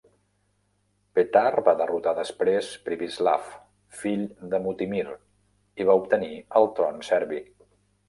Petar va derrotar després Pribislav, fill de Mutimir, i va obtenir el tron serbi.